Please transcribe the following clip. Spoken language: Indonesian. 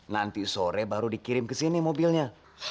nanti sore baru dikirim ke sini mobilnya